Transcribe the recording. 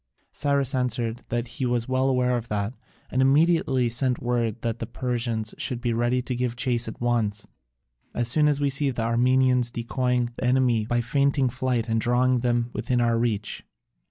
Cyrus answered that he was well aware of that, and immediately sent word that the Persians should be ready to give chase at once, "as soon as we see the Armenians decoying the enemy by feigning flight and drawing them within our reach."